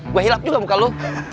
gue hilap juga bukan lo